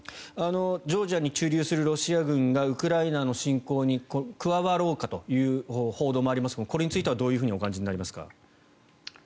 ジョージアに駐留するロシア軍がウクライナの侵攻に加わろうかという報道もありますがこれについてはどうお感じになりますか。